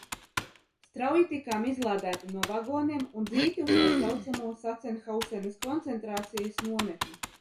Strauji tikām izlādēti no vagoniem un dzīti uz tā saucamo Sachenhausenas koncentrācijas nometni.